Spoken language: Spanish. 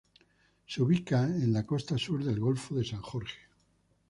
Se ubica en la costa sur del golfo San Jorge.